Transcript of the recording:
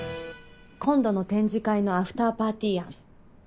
今度の展示会のアフターパーティー案。